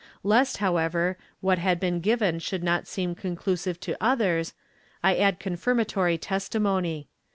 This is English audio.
Lest, however, what has been given should not seem conclusive to others, I add confirmatory testimony.